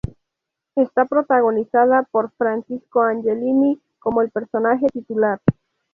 Está protagonizada por Francisco Angelini como el personaje titular.